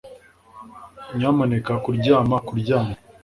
Nyamuneka kuryama kuryama